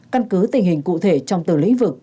căn cứ tình hình cụ thể trong từng lĩnh vực